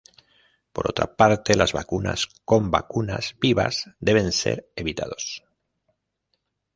Por otra parte, "las vacunas" con vacunas vivas deben ser evitados.